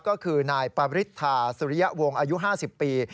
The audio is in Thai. ก็คือนายปริธาสุริยะวงอายุ๕๐ปี